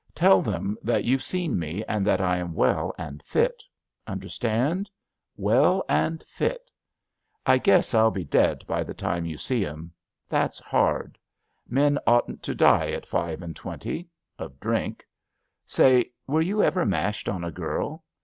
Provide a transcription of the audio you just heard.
Tell them that you've seen me, and that I am well and fit. Understand ?i — ^well and fit. I guess I'll be dead by the time you see 'em. That's hard. Men oughtn't to die at five and twenty— of drink. Say, were you ever mashed on a girl?